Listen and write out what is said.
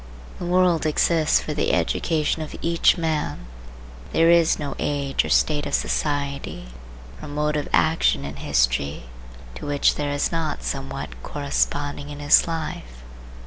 The world exists for the education of each man. There is no age or state of society or mode of action in history to which there is not somewhat corresponding in his life.